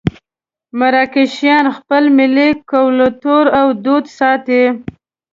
مراکشیان خپل ملي کولتور او دود ساتي.